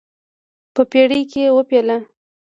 په پړي کې وپېله.